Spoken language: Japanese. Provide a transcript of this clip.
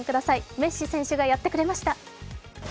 メッシ選手がやってくれました！